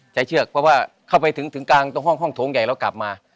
เชือกเพราะว่าเข้าไปถึงถึงกลางตรงห้องห้องโถงใหญ่แล้วกลับมา